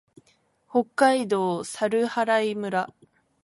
北海道猿払村